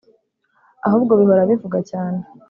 ahubwo bihora bivuga cyane